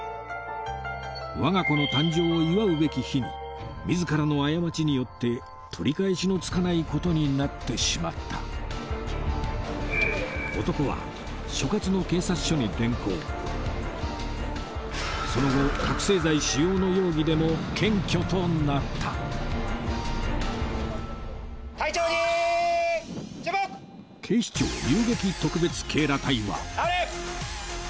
我が子の誕生を祝うべき日に自らの過ちによって取り返しのつかないことになってしまった男は所轄の警察署に連行その後覚醒剤使用の容疑でも検挙となった警視庁遊撃特別警ら隊は・直れ！